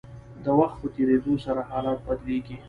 د وخت په تیریدو سره حالات بدلیږي.